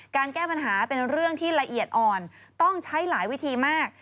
แก้ปัญหาเป็นเรื่องที่ละเอียดอ่อนต้องใช้หลายวิธีมาก